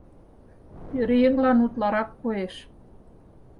— Пӧръеҥлан утларак коеш.